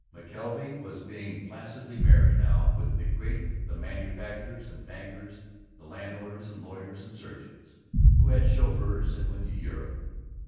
McKelvey was being placidly merry now with the great, the manufacturers and bankers, the land owners and lawyers and surgeons who had chauffeurs and went to Europe.